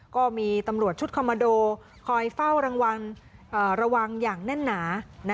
ก็มีตำรวจชุดคอมมาโดคอยเฝ้าระวังระวังอย่างแน่นหนา